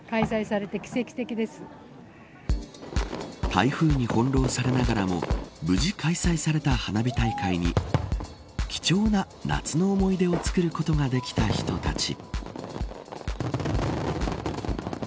台風に翻ろうされながらも無事、開催された花火大会に貴重な夏の思い出を作ることができた人たち。